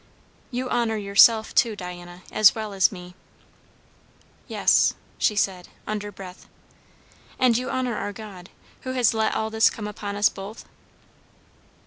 "You honour yourself, too, Diana, as well as me." "Yes " she said, under breath. "And you honour our God, who has let all this come upon us both?"